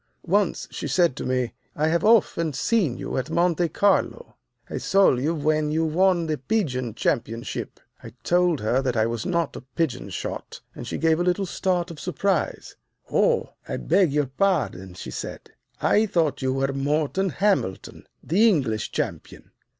Once she said to me, 'I have often seen you at Monte Carlo. I saw you when you won the pigeon championship.' I told her that I was not a pigeon shot, and she gave a little start of surprise. 'Oh, I beg your pardon,' she said; 'I thought you were Morton Hamilton, the English champion.